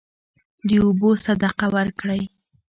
د اوبو صدقه ورکړئ.